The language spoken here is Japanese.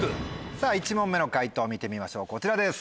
さぁ１問目の解答見てみましょうこちらです。